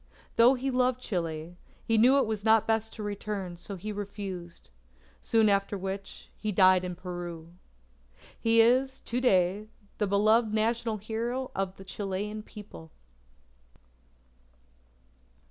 Though he loved Chile, he knew it was not best to return, so he refused. Soon after which, he died in Peru. He is, to day, the beloved National Hero of the Chilean People.